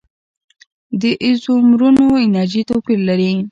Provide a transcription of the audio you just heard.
د ایزومرونو انرژي توپیر لري.